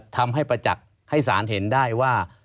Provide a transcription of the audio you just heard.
ประจักษ์ให้สารเห็นได้ว่า